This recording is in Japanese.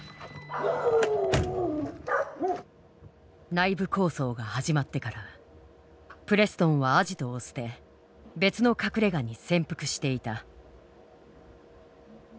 内部抗争が始まってからプレストンはアジトを捨て別の隠れがに潜伏していた。